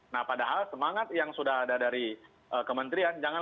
nah padahal semangat yang sudah ada dari kementerian